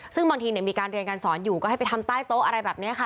ซึ่งบางทีมีการเรียนการสอนอยู่ก็ให้ไปทำใต้โต๊ะอะไรแบบนี้ค่ะ